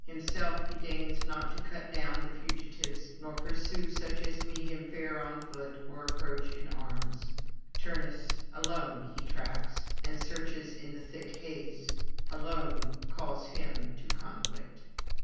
Himself he deigns not to cut down the fugitives, nor pursue such as meet him fair on foot or approach in arms: Turnus alone he tracks and searches in the thick haze, alone calls him to conflict.